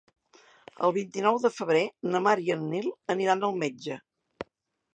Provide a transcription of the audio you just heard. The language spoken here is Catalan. El vint-i-nou de febrer na Mar i en Nil aniran al metge.